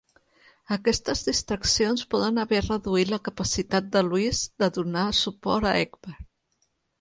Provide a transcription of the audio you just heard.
Aquestes distraccions poden haver reduït la capacitat de Louis de donar suport a Egbert.